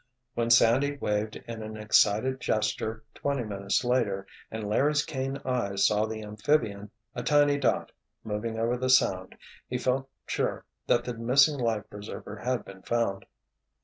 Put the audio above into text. When Sandy waved in an excited gesture, twenty minutes later, and Larry's keen eyes saw the amphibian, a tiny dot, moving over the Sound, he felt sure that the missing life preserver had been found.